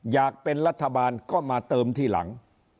อยากเป็นรัฐบาลก็มาเติมทีหลัง